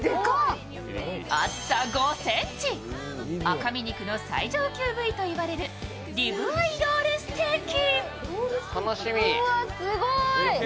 厚さ４ｃｍ、赤身肉の最上級部位といわれるリブアイロールステーキ。